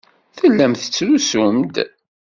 Tellam tettrusum-d.